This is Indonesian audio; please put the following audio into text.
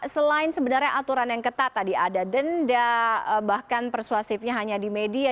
selain sebenarnya aturan yang ketat tadi ada denda bahkan persuasifnya hanya di media